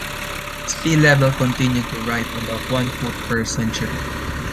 Sea level continued to rise about one foot per century.